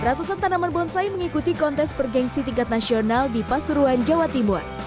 ratusan tanaman bonsai mengikuti kontes bergensi tingkat nasional di pasuruan jawa timur